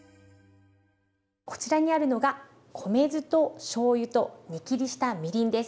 こちらにあるのが米酢としょうゆと煮きりしたみりんです。